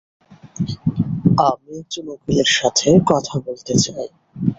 আমি একজন উকিলের সাথে কথা বলতে চাই।